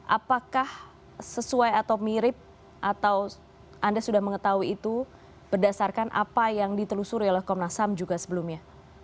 apakah sesuai atau mirip atau anda sudah mengetahui itu berdasarkan apa yang ditelusuri oleh komnas ham juga sebelumnya